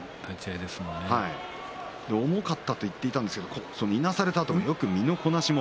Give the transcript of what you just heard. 重かったと言っていたんですがいなされたあともよく身のこなしも。